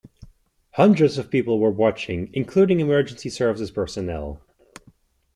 Hundreds of people were watching, including emergency services personnel.